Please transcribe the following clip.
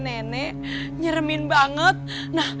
nyerempet kacau njoknya tapi dia ngecek ngecek aja jadi udah udah dihapus